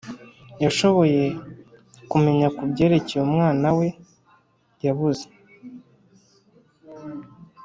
Yashoboye kumenya ku byerekeye umwana we yabuze